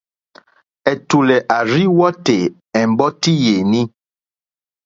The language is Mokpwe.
Ɛ̀tùlɛ̀ à rzí wɔ́tè ɛ̀mbɔ́tí yèní.